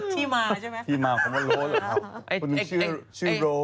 ที่มาใช่ไหมที่มาคำว่าโลเหรอครับคนหนึ่งชื่อโล